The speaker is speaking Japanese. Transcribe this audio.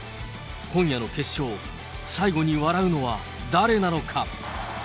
今夜の決勝、最後に笑うのは誰なのか。